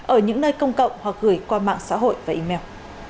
ở những nơi công cộng hoặc gửi qua mạng xã hội và email